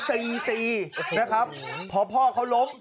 ตีตีนะครับพอพ่อเขาล้ม